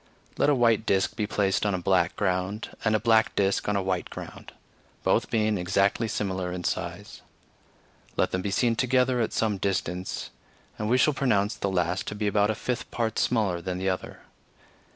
Let a white disk be placed on a black ground, and a black disk on a white ground, both being exactly similar in size; let them be seen together at some distance, and we shall pronounce the last to be about a fifth part smaller than the other.